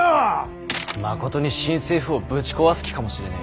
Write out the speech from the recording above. まことに新政府をぶち壊す気かもしれねぇ。